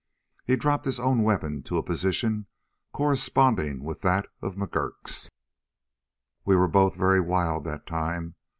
He dropped his own weapon to a position corresponding with that of McGurk's. "We were both very wild that time.